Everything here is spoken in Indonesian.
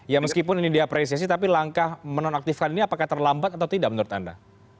ya meskipun ini diapresiasi tapi langkah menonaktifkan ini apakah terlambat atau tidak menurut anda